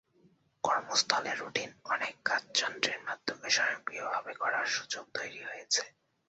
কর্মস্থলের routine অনেক কাজ যন্ত্রের মাধ্যমে স্বয়ংক্রিয়ভাবে করার সুযোগ তৈরি হয়েছে।